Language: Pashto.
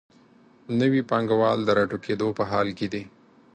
نوي پانګوال د راټوکېدو په حال کې دي.